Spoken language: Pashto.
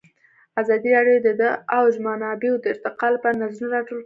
ازادي راډیو د د اوبو منابع د ارتقا لپاره نظرونه راټول کړي.